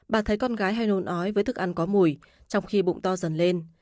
bà thấy con gái hay nôn ói với thức ăn có mùi trong khi bụng to dần lên